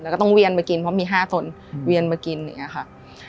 แล้วก็ต้องเวียนมากินเพราะมี๕ตนเวียนมากินอย่างนี้ค่ะ